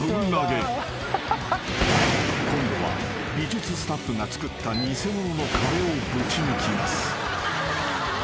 ［今度は美術スタッフが作った偽物の壁をぶち抜きます］